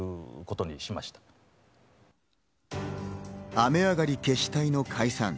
雨上がり決死隊の解散。